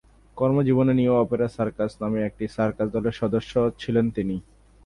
কর্মজীবনে "New Opera Circus" নামে একটি সার্কাস দলের সদস্য ছিলেন তিনি।